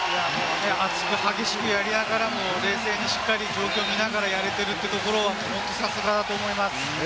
熱く、激しくなりながらも、冷静に状況を見ながらやれているというのは本当にさすがだと思います。